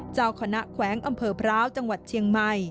เจ้าคณะแขวงอำเภอพร้าวจังหวัดเชียงใหม่